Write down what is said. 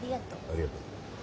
ありがとう。